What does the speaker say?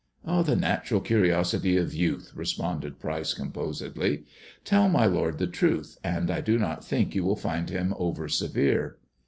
" The natural curiosity of youth," responded Pryce com posedly ;" tell my lord the truth, and I do not think you will find him over severe."